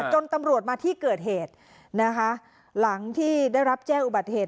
จนตำรวจมาที่เกิดเหตุนะคะหลังที่ได้รับแจ้งอุบัติเหตุ